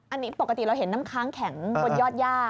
อันนี้ปกติเราเห็นน้ำค้างแข็งบนยอดย่า